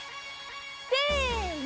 せの。